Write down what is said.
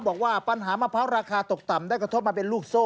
บอกว่าปัญหามะพร้าวราคาตกต่ำได้กระทบมาเป็นลูกโซ่